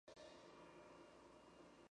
Tovar Ramírez, Aurora.